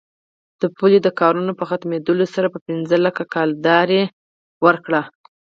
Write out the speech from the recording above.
د پولې د کارونو په ختمېدلو سره به پنځه لکه کلدارې ورکړي.